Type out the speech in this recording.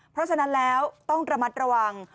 เพราะฉะนั้นแล้วต้องระมัดระวัง